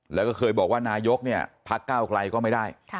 แล้วก็เคยบอกว่านายกพักก้าวกลายก็ไม่ได้